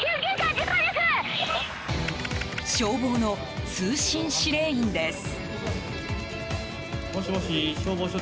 消防の通信指令員です。